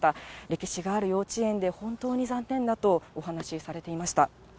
歴史がある幼稚園で、本当に残念だと、お話されていました。